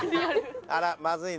あらまずいな。